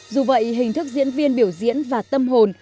dù vậy hình thức diễn viên biểu diễn và tâm hồn